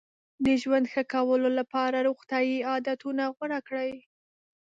د ژوند ښه کولو لپاره روغتیایي عادتونه غوره کړئ.